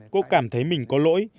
cô cảm thấy mình có lỗi